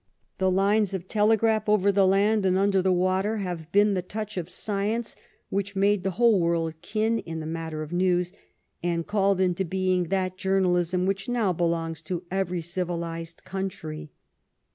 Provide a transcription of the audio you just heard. The lines of telegraph over the land and under the water have been the touch of science which made the whole world kin in the matter of news, and called into being that journalism which now belongs to every civilized country.